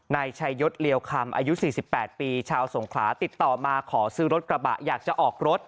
นายชัยยศเลียวคำอายุ๔๘ปีชาวสงขลาติดต่อมาขอซื้อรถกระบะอยากจะออกรถ